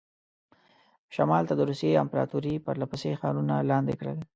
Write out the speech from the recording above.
شمال ته د روسیې امپراطوري پرله پسې ښارونه لاندې کول.